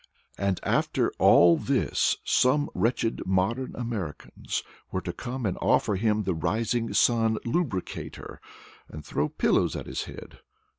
And after all this some wretched modern Americans were to come and offer him the Rising Sun Lubricator, and throw pillows at his head!